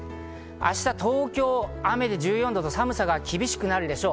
明日、東京は雨で１４度と寒さが厳しくなるでしょう。